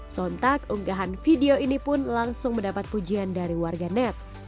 sontak unggahan video ini pun langsung mendapat pujian dari warganet